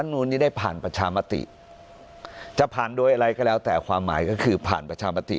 นูนนี้ได้ผ่านประชามติจะผ่านโดยอะไรก็แล้วแต่ความหมายก็คือผ่านประชามติ